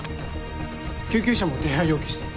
救急車も手配要求して。